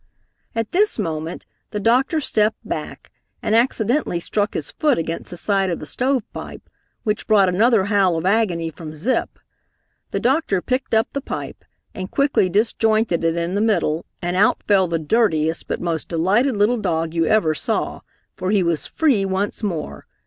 At this moment the doctor stepped back and accidentally struck his foot against the side of the stovepipe, which brought another howl of agony from Zip. The doctor picked up the pipe and quickly disjointed it in the middle and out fell the dirtiest but most delighted little dog you ever saw, for he was free once more.